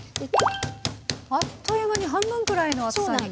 あっという間に半分くらいの厚さに。